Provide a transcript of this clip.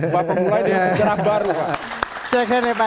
bapak mulai dengan segera baru pak